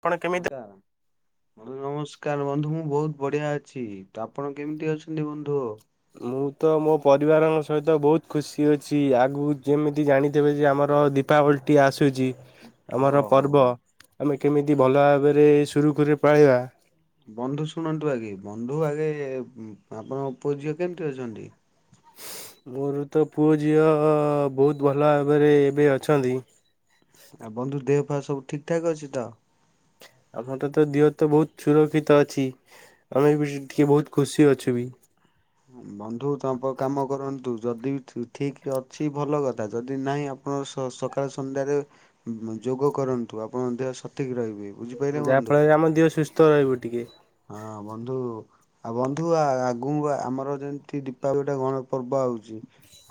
ଆପଣ କେମିତି ବଢିଆ ବନ୍ଧୁ ନମସ୍କାର ବନ୍ଧୁ ମୁଁ ବୋହୁତ ବଢିଆ ଅଛି ତ ଆପଣ କେମିତି ଅଛନ୍ତି ବନ୍ଧୁ? ମୁଁ ତ ମୋ ପରିବାରଙ୍କ ସହିତ ବୋହୁତ ଖୁସି ଅଛି ଆଗକୁ ଯେମିତି ଜାଣିଥିବେ ଯେ ଆମର ଦୀପାବଳି ଟିଏ ଆସୁଚି। ଓହୋ। ଆମର ପର୍ବ ଆମେ କେମିତି ଭଲ ଭାବରେ ସୁରୁଖୁରୁରେ ପାଳିବା ଏ ଉଁ ଆପଣଙ୍କ ପୁଅ ଝିଅ କେମିତି ଅଛନ୍ତି? ମୋର ତ ପୁଅ ଝିଅ ବୋହୁତ ଭଲ ଭାବରେ ଏବେ ଅଛନ୍ତି। ଆଉ ବନ୍ଧୁ ଦେହ ପା ସବୁ ଠିକଠାକ ଅଛିତ? ଆମର ଟାତ ଦିହ ତ ବୋହୁତ ସୁରକ୍ଷିତ ଅଛି ଆମେ ବି ସେଇ ଟିକେ ବୋହୁତ ଖୁସି ଅଛୁ ବି। ବନ୍ଧୁ ତମ ପ-କାମ କରନ୍ତୁ ଯଦି ଠି-ଠିକ ଅଛି ଭଲ କଥା ଯଦି ନାହିଁ ଆପଣ ସ-ସକାଳେ ସନ୍ଧ୍ୟାରେ ଯୋଗ କରନ୍ତୁ ଆପଣଙ୍କ ଦେହ ସଠିକ ରହିବେ। ବୁଝିପାରିଲେ ଯାହା ବନ୍ଧୁ। ଫଳରେ ଆମ ଦେହ ସୁସ୍ଥ ରହିବ ଟିକେ। ହଁ ବନ୍ଧୁ ଆଉ ବନ୍ଧୁ ଆ-ଆଗକୁ ଆମର ଯେମିତି ଦୀପାବଳିଟା ଗଣ ପର୍ବ ଆଉଚି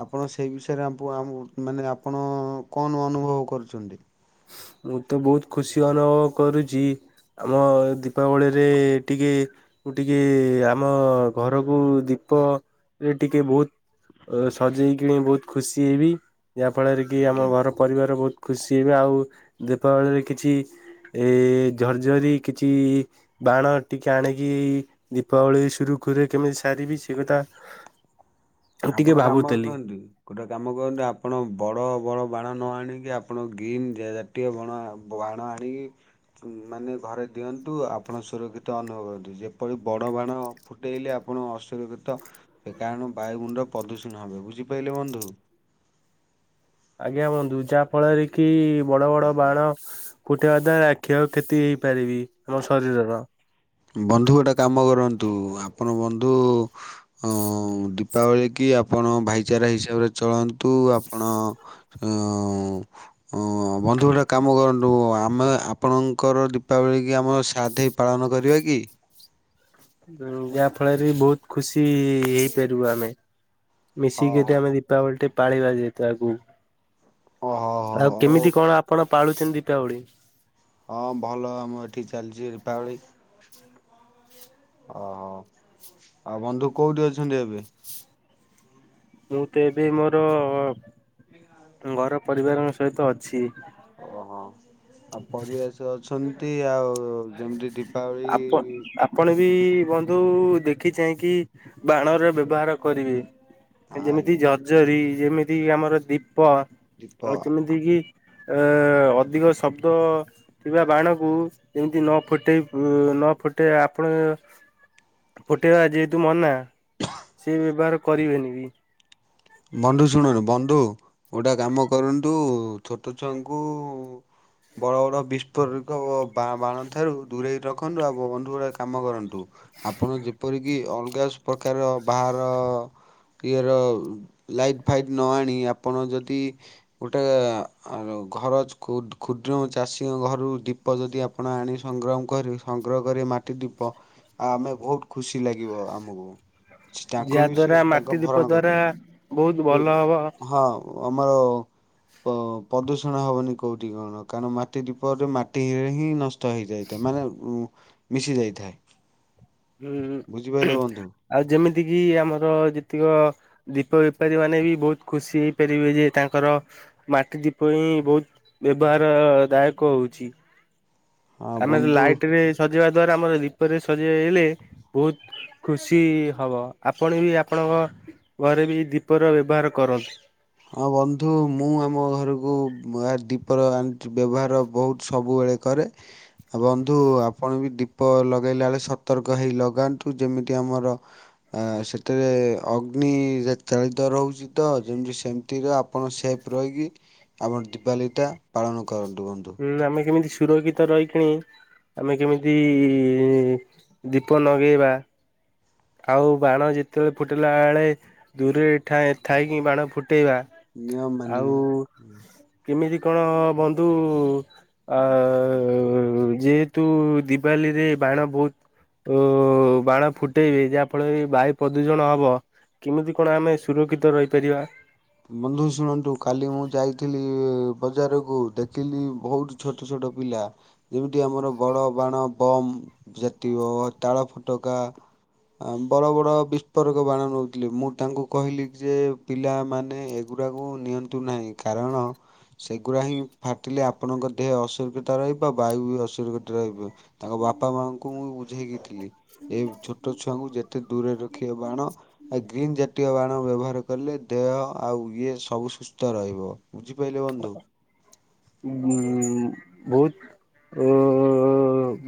ଆପଣ ସେଇ ବିଷୟରେ ଆପ ଆମକୁ ମାନେ ଆପଣ କଣ ଅନୁଭବ କରୁଛନ୍ତି? ମୁଁ ତ ବୋହୁତ ଖୁସି ଅନୁଭବ କରୁଚି ଆମ ଦୀପାବଳିରେ ଟିକେ ମୁଁ ଟିକେ ଆମ ଘରକୁ ଦୀପରେ ଟିକେ ବୋହୁତ ଅ ସଜେଇକିନା ବୋହୁତ ଖୁସି ହେବି। ଯାହାଫଳରେ କି ଆମ ଆଜ୍ଞା। ଘର ପରିବାର ବୋହୁତ ଖୁସି ହେବେ ଆଉ ଦୀପାବଳିରେ କିଛି ଏ ଝର୍ଝରି କିଛି ବାଣ ଟିକେ ଆଣିକି ଦୀପାବଳି ସୁରୁଖୁରୁରେ କେମିତି ସାରିବି ସେଇ କଥା ମୁଁ ଟିକେ ଆପଣ କାମ ଭାବୁଥିଲି। କରନ୍ତୁ ଗୋଟେ କାମ କରନ୍ତୁ ଆପଣ ବଡ ବଡ ବାଣ ନ ଆଣିକି ଆପଣ ଗ୍ରୀନ୍ ଜାତୀୟ ବଣ ବାଣ ଆଣିକି ମାନେ ଘରେ ଦିଅନ୍ତୁ ଆପଣ ସୁରକ୍ଷିତ ଅନୁଭବତୁ ଯେପରି ବଡ଼ ବାଣ ଫୁଟାଇଲେ ଆପଣ ଅସୁରକ୍ଷିତ ଏ କାରଣ ବାୟୁ ମଣ୍ଡଳ ପ୍ରଦୂଷିଣ ହେବେ ବୁଝିପାଇଲେ ବନ୍ଧୁ। ଆଜ୍ଞା ବନ୍ଧୁ ଯାହା ଫଳରେ କି ବଡ ବଡ ବାଣ ଫୁଟେଇବା ଦ୍ୱାରା କ୍ଷୟକ୍ଷତି ହେଇପାରେବି ଆମ ଶରୀରର। ବନ୍ଧୁ ଗୋଟେ କାମ କରନ୍ତୁ ଆପଣ ବନ୍ଧୁ ଉଁ ଦୀପାବଳିକି ଆପଣ ଭାଇଚାରା ହିସାବରେ ଚଳାନ୍ତୁ ଆପଣ ଅଁ-ଅଁ-ବନ୍ଧୁ ଗୋଟେ କାମ କରନ୍ତୁ ଆମେ ଆପଣଙ୍କର ଦୀପାବଳି କି ଆମର ଶାଧେ ପାଳନ କରିବା କି? ଏଣୁ ଯାହାଫଳରେ ବି ବୋହୁତ ଖୁସି ଇ ହେଇପାରିବୁ ଆମେ। ମିଶିକି ହଉ ଯଦି ଆମେ ଦୀପାବଳି ଟେ ପାଳିବା ଯେହେତୁ ଆଗକୁ ହଉ ଓ ହଉ ହଉ ଆଉ ହଉ କେମିତି କଣ ଆପଣ ପାଳୁଛନ୍ତି ଦୀପାବଳି ହଁ ଭଲ ଆ ମୁଁ ଏଠିକି ଚାଲିଛି ଦୀପାବଳି ଓହୋ ଆଉ ବନ୍ଧୁ କୋଉଠି ଅଛନ୍ତି ଏବେ। ମୁଁ ତ ଏବେ ମୋର ଗରମ ପରିବାରଂକ ସହିତ ଅଛି। ଓ ହଁ ଆଉ ପରିବାେଶ ଅଛନ୍ତି ନ୍ତି ଆଉ ଯେମିତି ଦୀପାବଳି ଆପଣ ଆପଣ ବି ବନ୍ଧୁ ଦେଖି ଚାହିଁକି ବାଣର ବ୍ୟବହାର କରିବେ ଯେମିତି ଆଜ୍ଞା ଜଜରୀ ଯେମିତି ଆମର ଦୀପ ପ ଅ ଦୀପ ଯେମିତି କି ଅ-ଅଧିକ ଶବ୍ଦ ଥିବା ବାଣକୁ ଯେମିତି ନ ଫୁଟେଇ -ପ-ନ ଫୁଟାଇ ଆପଣ ଫୁଠେଇବା ଯେହେତୁ ମନା ସେ ବ୍ୟବହାର କରିବେନି ବି। ବନ୍ଧୁ ଶୁଣନୁ ବନ୍ଧୁ ଗୋଟେ କାମ କରନ୍ତୁ ଛୋଟ ଛୁଆଙ୍କୁ ବଡ ବଡ ବିସ୍ଫୋରକ ବା-ବାଣ ଠାରୁ ଦୂରେଇ ରଖ ରଖନ୍ତୁ ଆବ ବନ୍ଧୁ ଗୁଡେ କାମ କରନ୍ତୁ ଆପଣ ଯେପରିକି ଅଲଗା ପ୍ରକାର ବାହାର ଇଏର ଲାଇଟ୍ ଫାଇଟ୍ ନ ଆଣି ଆପଣ ଯଦି ଗୋଟେ-ଆର- ଘର କ୍ଷୁ- କ୍ଷୁଦ୍ର ଚାଷୀଙ୍କ ଘରୁ ଦୀପ ଯଦି ଆପଣ ଆଣି ସଂଗ୍ରାମ କରି ସଂଗ୍ରହ କରି ମାଟି ଦୀପ ଆମେ ବହୁତ ଖୁସି ଲାଗିବ ଆମକୁ ଯାହା ତାଙ୍କୁ ବି ସେ ଦ୍ଵାରା ମାଟି ତାଙ୍କ ଦୀପ ଭରଣ ଦ୍ଵାରା କରିବେ। ବହୁତ ଭଲ ହବ। ହଁ ଆମର ପ-ପ୍ରଦୂଷଣ ହବନି କୋଉଠି କଣ କାରଣ ମାଟି ଦୀପରେ ମାଟିରେ ହିଁ ନଷ୍ଟ ଷ୍ଟ ହେଇଯାଇଥାଏ ମାନେ ମିଶି ଯାଇଥାଏ। ହୁଁ ବୁଝିପାରିଲେ ଉହୁଁ ବନ୍ଧୁ ଆଉ ଯେମିତି କି ଆମର ଯେତିକ ଦୀପ ବେପାରୀ ମାନେ ବି ବହୁତ ଖୁସି ହେଇପାରିବେ ଯେ ତାଙ୍କର ମାଟି ଦୀପ ହିଁ ବହୁତ ବ୍ୟବହାର ଦାୟକ ହଉଚି। ହଁ ଆମେ ବନ୍ଧୁ ଲାଇଟ ରେ ସଜେଇବା ଦ୍ଵାରା ଆମର ଦୀପରେ ସଜେଇେଇଲେ ବହୁତ ଖୁସି ହବ ଆପଣ ବି ଆପଣଙ୍କ ଘରେ ବି ଦୀପର ବ୍ୟବହାର କରନ୍ତୁ। ହଁ ବନ୍ଧୁ ମୁଁ ଆମ ଘରକୁ ଦୀପର ଆଣିକି ବ୍ୟବହାର ବହୁତ ସବୁବେଳେ କରେ, ବନ୍ଧୁ ଆପଣ ବି ଦୀପ ଲଗାଇଲା ବେଳେ ସତର୍କ ହେଇ ଲଗାନ୍ତୁ ଯେମିତି ଆମର ସେଥିରେ ଅଗ୍ନି ଚାଳିତ ରହୁଛି ତ ଯେମିତି ସେମିତିର ଆପଣ ସେଫ୍ ରହିକି ଆମର ଦିବାଲୀଟା ପାଳନ କରନ୍ତୁ ବନ୍ଧୁ ହୁଁ ଆମେ କେମିତି ସୁରକ୍ଷିତ ରହିକିଣି ଆମେ କେମିତି ଦୀପ ନଗେଇବା ଆଉ ବାଣ ଯେତେବେଳେ ଫୁଟିଲା ବେଳେ ଦୂରେଇ ଠାଏ ଥାଇକି ବାଣ ଫୁଟ ନିୟମ ମାନିବା କେମିତି କଣ ବନ୍ଧୁ ଆ ଯେହେତୁ ଦିିବାଲିରେ ବାଣ ବହୁତ ବାଣ ଫୁଟ ଫୁଟେଇବେ ଯାହା ଫଳରେ ବାୟୁ ପ୍ରଦୂଷଣ ହବ କେମିତି କଣ ଆମେ ସୁରକ୍ଷିତ ରହିପାରିବା? ବନ୍ଧୁ ଶୁଣନ୍ତୁ କାଲି ମୁଁ ଯାଇଥିଲି ବଜାରକୁ ଦେଖିଲି ବହୁତ ଛୋଟ ଛୋଟ ପିଲା ଯେମିତି ଆମର ବଡ଼ ବାଣ ବମ୍ ଜାତୀୟ ତାଳ ଫୋଟକା ବଡ଼ ବଡ଼ ବିସ୍ଫୋରକ ବାଣ ନେଉଥିଲି ମୁଁ ତାଙ୍କୁ କହିଲି ଯେ ପିଲାମାନେ ମାନେ ଏଗୁଡ଼ାକୁ ନିଅନ୍ତୁ ନାହିଁ କାରଣ ସେଗୁଡ଼ା ହିଁ ଫାଟିଲେ ଆପଣଙ୍କ ଦେହ ଅସୁରକ୍ଷିତା ରହିବ ବାୟୁ ବି ଅସୁରକ୍ଷିତ ରହିବ। ତାଙ୍କ ବାପା ମାଙ୍କୁ ମୁଁ ବୁଝେଇକି ଥିଲି ଏ ଛୋଟ ଛୁଆଙ୍କୁ ଯେତେ ଦୂରରେ ରଖିବେ ବାଣ ଗ୍ରୀନ୍ ଜାତୀୟ ବାଣ ବ୍ୟବହାର କଲେ ଦେହ ଆଉ ଇଏ ସବୁ ସୁସ୍ଥ ରହିବ। ବୁଝିପାଇିଲେ ବନ୍ଧୁ? ଉଁ ବହୁତ ଉ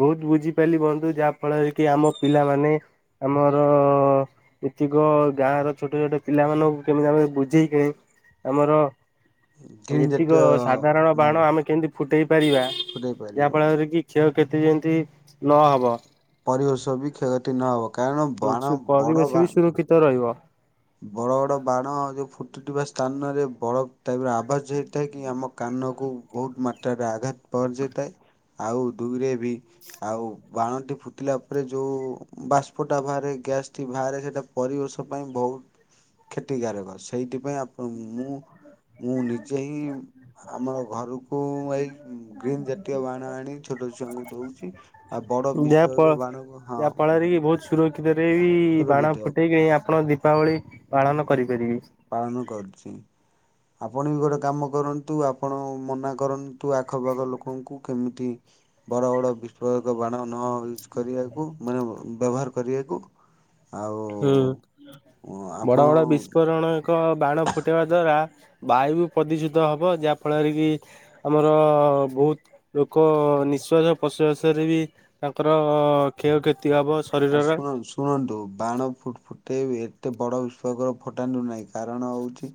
ବହୁତ ବୁଝିପାରିଲି ବନ୍ଧୁ ଯାହା ଫଳରେ କି ଆମ ପିଲାମାନେ ଆମର ଏତିକ ଗାଁ ର ଛୋଟ ଛୋଟ ପିଲାମାନାନଙ୍କୁ କେମିତି ଆମେ ବୁଝେଇକି ଆମର ଗ୍ରୀନ୍ ଜାତୀୟ କାରଣ ବାଣ ଆମେ କେମିତି ଫୁଟେଇ ପାରିବା। ଫୁଟେଇ ଯାହା ପାରିବେ। ଫଳରେ କି କ୍ଷୟ। କ୍ଷତି ଯେମିତି ନହବ। ପରିବେଶ ବି କ୍ଷୟକ୍ଷତି ନହବ। କାରଣ ବାଣ ପରିବେଶ ବି ସୁରକ୍ଷିତ ରହିବ। ବଡ ବଡ ବାଣ ଯଉ ଫୁଟୁଥିବା ସ୍ଥାନରେ ବଡ ଟାଇପ ର ଆବାଜ ହେଇଥାଏ କି ଆମ କାନକୁ ବହୁତ ମାତ୍ରାରେ ଆଘାତ ପହଞ୍ଚାଇଥାଏ ଆଉ ଦୁଇରେ। ଆଉ ବାଣଟି। ଫୁଟିଲା ପରେ ଯେଉଁ ବାଷ୍ପଟା ବାହାରେ ଗ୍ୟାସ୍ଟି ବାହାରେ ସେଇଟା ପରିବେଶ ପାଇଁ ବହୁତ କ୍ଷତିକାରାରକ ସେଇଥିପାଇଁ। ମୁଁ ମୁଁ ନିଜେ ହିଁ ଆମର ଘରକୁ ଏଇ ଗ୍ରୀନ ଜାତୀୟ ବାଣ ଆଣି ଛୋଟ ଛୁଆଙ୍କୁ ଦଉଛି ଆଉ ବଡ ଯାହା ଫ ବାଣକୁ ହଁ। ଏଇ ବାଣ ସୁରକ୍ଷିତ ଫୁଟେଇକି ଆପଣଙ୍କ ଦୀପାବଳି ପାଳନ କରିପାରିବେ। ପାଳନ କରୁଛି ଆପଣ ବି ଗୋଟେ କାମ କରନ୍ତୁ ଆପଣ ମନା କରନ୍ତୁ ଆଖପାଖ ଲୋକଙ୍କୁ କେମିତି ବଡ ବଡ ବିସ୍ଫୋରକ ବାଣ ନ ୟୁଜର କରିବାକୁ ମାନେ ବ୍ୟବହାର କରିବାକୁ। ଆଉ ହୁଁ ବଡ ଆପଣ ବଡ ବିସ୍ଫୋରଣ। ଏକ ବାଣ ଫୁଟାଇବା ଦ୍ୱାରା ବାୟୁ ବି ପ୍ରଦୂଷିତ ହେବ ଯାହାଫଳରେ କି ଆମର ବହୁତ ଲୋକ ନିଶ୍ଵାସ ପ୍ରଶ୍ଵାସରେ ବି ତାଙ୍କର କ୍ଷୟକ୍ଷତି ହବ ଆଉ ଶରୀରର ଶୁଣନ୍ତୁ ଶୁଣନ୍ତୁ ବାଣ ଫୁଟେଇବେ ଏତେ ବଡ ବିଶକର ଫୁଟାନ୍ତୁ ନାହିଁ କାରଣ ହଉଛି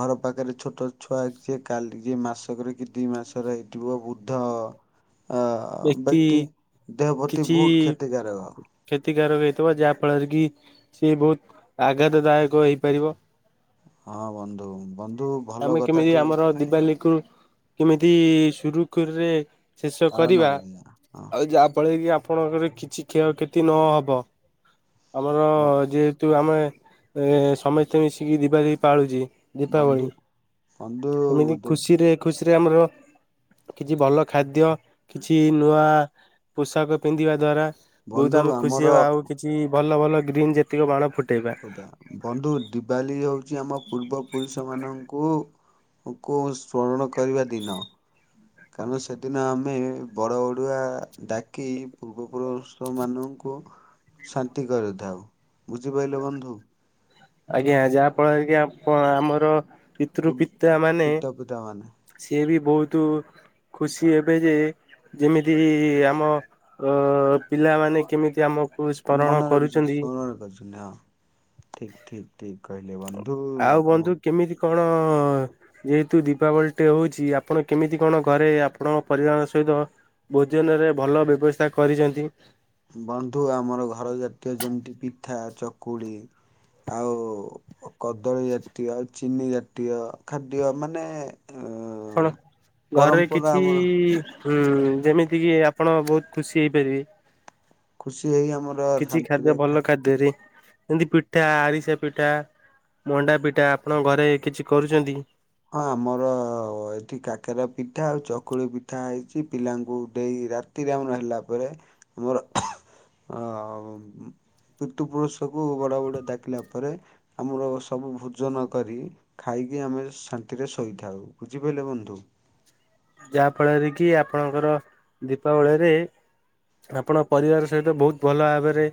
ଘର ପାଖରେ ଛୋଟ ଛୁଆ ଯେ କାଲି ଯେ ମାସକର କି ଦି ମାସକର ହେଇଥିବ ବୃଦ୍ଧ। ବ୍ୟକ୍ତି। ଦେହ ପ୍ରତି କିଛି ବହୁତ କ୍ଷତିକାରକ। କ୍ଷତିକାରକ ହେଇଥିବ। ଯାହା, ଫଳରେ କି ସିଏ ବହୁତ ଆଘାତ ଦାୟକ ହେଇପାରିବ। ହଁ ବନ୍ଧୁ। ବନ୍ଧୁ ଭଲ ଆମେ କଥା କେମିତି ଟି ଆମର ଦିିବାଲୀ କୁ। କେମିତି ସୁରୁଖୁରୁରେ। ଶେଷ କରିବା। ଆଉ ଯାହାଫଳରେ କି? ଆପଣଙ୍କରେ କିଛି କ୍ଷୟକ୍ଷତି ନହବ। ଆମର, ହଁ ଯେହେତୁ ଆମେ। ଏ ସମସ୍ତେ ମିଶିକି ଦିବାଲୀ ପାଳୁଛି। ଦୀପାବଳି। ବନ୍ଧୁ ବନ୍ଧୁ ଏମିତି ଖୁସିରେ, ଖୁସି। ଆମର, କିଛି ଭଲ ଖାଦ୍ୟ। କିଛି ନୂଆ। ପୋଷାକ ପିନ୍ଧିବା ଦ୍ଵାରା ବହୁତ ବନ୍ଧୁ ଆମେ ଖୁସି ଆମର ହବ ଆଉ କିଛି ଭଲ ଭଲ ଭଲ ଗ୍ରୀନ୍ ଯେତିକ ବାଣ ଫୁ ହଉଟା ବନ୍ଧୁ ଦିିବାଲି ହଉଛି ଆମ ପୂର୍ବ ପୁରୁଷ ମାନଙ୍କୁ କୁ ସ୍ମରଣ କରିବା ଦିନ କାରଣ ସେଦିନ ଆମେ ବଡ ଓଡିୁଆ ଡାକି ପୂର୍ବ ପୁରୁଷ ମାନଙ୍କୁ ଶାନ୍ତି କରିଥାଉ ବୁଝିପାରିଲ ବନ୍ଧୁ ଆଜ୍ଞା ଯାହା ଫଳରେ କି ଆ ଆମର ପିତୃ ପିତା ମାନେ ପିତା ପିତା ମାନେ ସିଏ ବି ବହୁତ ଖୁସି ଏବେ ଯେ ଯେମିତି ଆମ ପିଲାମାନେ କେମିତି ଆମ ମନେ ରଖିଛ ସ୍ମରଣ କରିଛନ୍ତି ଠିକ ଠିକ କହିିଲେ ବନ୍ଧୁ ଆଉ ଆପଣ ବନ୍ଧୁ କେମିତି କଣ ଯେହେତୁ ଦୀପାବଳି ଟେ ହଉଛି ଆପଣ କେମିତି କଣ ଘରେ ଆପଣ ପରିବାର ସହିତ ଭୋଜନରେ ଭଲ ବ୍ୟବସ୍ଥା କରିଛନ୍ତି। ବନ୍ଧୁ ଆମର ଘର ଜାତୀୟ ଯେମିତି ପିଠା ଚକୁଳି ଆଉ କଦଳୀ ଜାତୀୟ ଆଉ ଚିନି ଜାତୀୟ ଖାଦ୍ୟ ମାନେ ଅ [inaudible] ଘରେରେ ପରମ୍ପରା କିଛି ଆମର ହୁଁ ଯେମିତି କିି ଆପଣ ବହୁତ ଖୁସି ହେଇପାରିବେ ଖୁସି ହେଇ ଆମର କିଛି ଖାଦ୍ୟ ଶାନ୍ତିରେ ଖା ଭଲ ଖାଦ୍ୟରେ ଏମତି ପିଠା ଆରିସା ପିଠା ମଣ୍ଡା ପିଠା ଆପଣଙ୍କ ଘରେ କିଛି କରୁଛନ୍ତି ହଁ ଆମର ଏଠି କାକେରା ପିଠା ଆଉ ଚକୁଳି ପିଠା ହେଇଛି ପିଲାଙ୍କୁ ଦେଇ ରାତିରେ ଆରମ୍ଭ ହେଲା ପରେ ଆମର ଅ ପିତୃପୁରୁଷକୁ ବଡବଡ଼ୁଆଡ଼କିଲା ପରେ ଆମର ସବୁ ଭୋଜନ କରି ଖାଇକି ଆମେ ଶାନ୍ତିରେ ଶୋଇଥାଉ ବୁଝିପାରିଲେ ବନ୍ଧୁ ଯାହା ଫଳରେ କି ଆପଣଙ୍କର ଦୀପାବଳିରେ ଆପଣ ପରିବାର ସହିତ ବହୁତ ଭଲ ଭାବରେ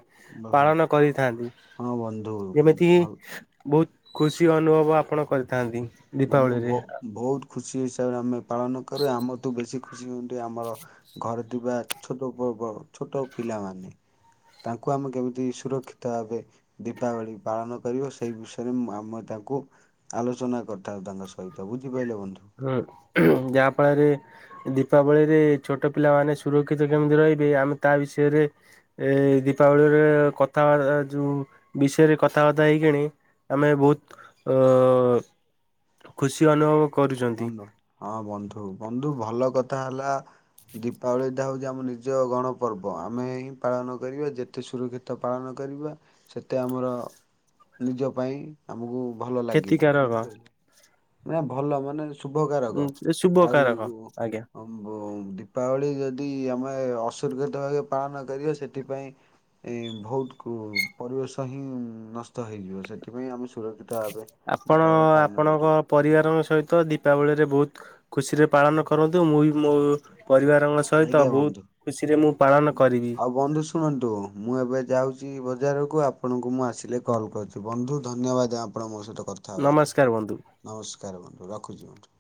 ପାଳନ କରିଥାନ୍ତି ହଁ ବନ୍ଧୁ ଯେମିତିକି ଭଲ ବହୁତ ଖୁସି ଅନୁଭବ ଆପଣ କରିଥାନ୍ତି। ବନ୍ଧୁହୁ ଦୀପାବଳିରେ। ବହୁ ବହୁତ ଖୁସି ଆମେ ପାଳନ କରୁ ଆମଠୁ ବେଶୀ ଖୁସି ହୁଅନ୍ତି ଆମର ଘରେ ଥିବା ଛୋଟ ଛୋଟ ପିଲାମାନେ ତାଙ୍କୁ ଆମେ କେମିତି ସୁରକ୍ଷିତ ଭାବେ ଦୀପାବଳି ପାଳନ କରିବ ସେଇ ବିଷୟରେ ମୁଁ ଆମେ ତାଙ୍କୁ ଆଲୋଚନା କରି ତାଙ୍କ ସହିତ ବୁଝି ହଁ ଯାହା ଫଳରେ ଦୀପାବଳିରେ ଛୋଟ ପିଲାମାନେ ସୁରକ୍ଷିତ କେମିତି ରହିବେ ଆମେ ତା ବିଷୟରେ ଏ ଦୀପାବଳିରେ କଥାବାର୍ତ୍ତା ଯୋଉ ବିଷୟରେ କଥାବାର୍ତ୍ତା ହେଇକଣି ଆମେ ବହୁତ ଅ ଖୁସି ଅନୁଭବ କରୁଛନ୍ତି। ହଁ ବନ୍ଧୁ ବନ୍ଧୁ ଭଲ। କଥା ହେଲା ଦୀପାବଳିଟା ହେଉଛି ଆମ ନିଜ ଗଣପର୍ବ ଆମେ ହିଁ ପାଳନ କରିବା ଯେତେ ସୁରକ୍ଷିତ ପାଳନ କରିବା ସେତେ ଆମର ନିଜ ପାଇଁ ଆମକୁ ଭଲ ଲାଗିବ କ୍ଷତିକାରକ ବୁଝିପାଇଲେ? ନା ଭଲ ଆମର ଶୁଭ କାରକ ଆଉ ଶୁଭକାରକ ଆଜ୍ଞା ଦୀପାବଳି ଯଦି ଆମର ଅସୁରକ୍ଷିତ ଭାବେ ପାଳନ କରିବ ସେଥିପାଇଁ ଏ ବହୁତ ପରିବେଶ ହିଁ ନଷ୍ଟ ହେଇଯିବ ସେଥିପାଇଁ ଆମେ ସୁରକ୍ଷିତ ଭାବେ ଆପଣ ଦୀପାବଳି ପାଳନ ଆପଣଙ୍କ କରିବା ପରିବାରଙ୍କ ସହିତ ଦୀପ ଦୀପାବଳିରେ ବହୁତ ଖୁସି ରେ ପାଳନ କରନ୍ତୁ। ମୁଁ ବି ମୋ ପରିବାରଙ୍କ ସହିତ ଆଜ୍ଞା ବହୁତ ବନ୍ଧୁ। ଖୁସିରେ ମୁଁ ପାଳନ କରିବି। ଆଉ ବନ୍ଧୁ ଶୁଣନ୍ତୁ ମୁଁ ଏବେ ଯାଉଛି ବଜାରକୁ ଆପଣଙ୍କୁ ମୁଁ ଆସିଲେ କଲ୍ କରିଛି ବନ୍ଧୁ ଧନ୍ୟବାଦ ଆପଣ ମୋ ସହ ଗୋଟ କଥା ହବାରୁ ନମସ୍କାର ବନ୍ଧୁ। ନମସ୍କାର ବନ୍ଧୁ ରଖୁଛି ବନ୍ଧୁ।